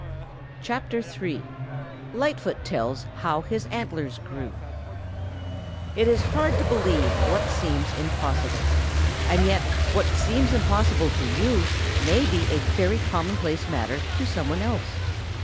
CHAPTER III LIGHTFOOT TELLS HOW HIS ANTLERS GREW It is hard to believe what seems impossible. And yet what seems impossible to you may be a very commonplace matter to some one else.